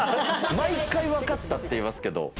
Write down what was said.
毎回わかったって言いますけど。